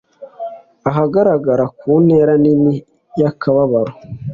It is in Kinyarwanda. ahagarara ku ntera nini y'akababaro